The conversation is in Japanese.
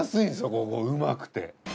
ここうまくて。